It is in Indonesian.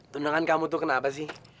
tundangan kamu tuh kenapa sih